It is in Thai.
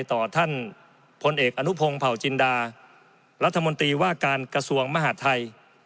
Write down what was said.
ต่อท่านพลเอกอนุพงศ์เผาจินดารัฐมนตรีว่าการกระทรวงมหาดไทย